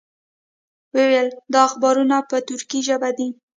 وې ویل دا اخبارونه په تُرکي ژبه دي.